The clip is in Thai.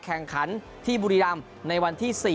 แข่งขันที่บุรีรำในวันที่๔